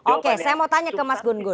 oke saya mau tanya ke mas gun gun